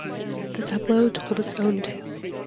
The tableau told its own tale.